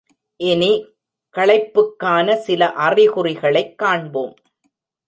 இனி களைப்புக்கான சில அறிகுறிகளைக் காண்போம்.